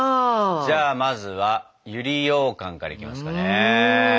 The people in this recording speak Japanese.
じゃあまずは百合ようかんからいきますかね。